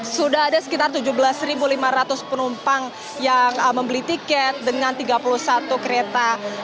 sudah ada sekitar tujuh belas lima ratus penumpang yang membeli tiket dengan tiga puluh satu kereta